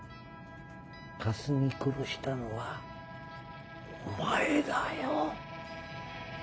かすみ殺したのはお前だよ。